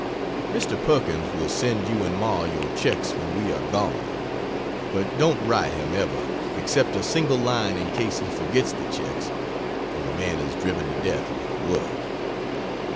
Mr. Perkins will send you and Ma your checks when we are gone. But don't write him, ever, except a single line in case he forgets the checks for the man is driven to death with work.